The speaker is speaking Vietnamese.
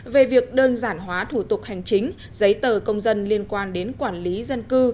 về việc đơn giản hóa thủ tục hành chính giấy tờ công dân liên quan đến quản lý dân cư